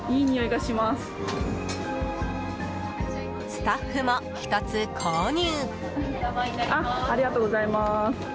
スタッフも１つ購入。